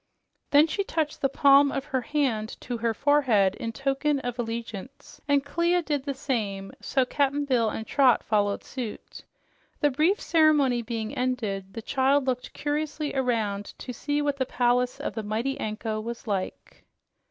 Then she touched the palm of her hand to her forehead in token of allegiance, and Clia did the same, so Cap'n Bill and Trot followed suit. The brief ceremony being ended, the child looked curiously around to see what the palace of the mighty Anko was like.